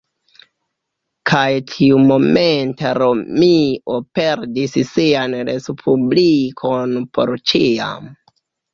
Kaj tiumomente Romio perdis sian Respublikon por ĉiam.